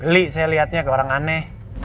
li saya lihatnya ke orang aneh